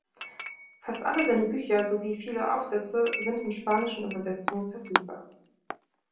Fast alle seine Bücher sowie viele Aufsätze sind in spanischen Übersetzungen verfügbar.